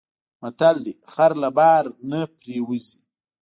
متل دی: خر له بار نه پرېوځي.